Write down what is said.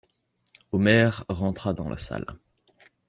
Omer rentra dans la salle.